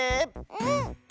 うん！